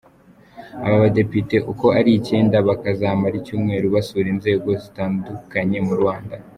Aba badepite uko ari icyenda bakazamara icyumweru basura inzego zitandukanye mu Rwanda.